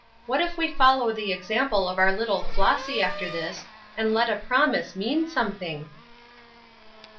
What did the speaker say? What if we follow the example of our little Flossy after this, and let a promise mean something?"